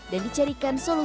dan dicarikan solusi untuk anak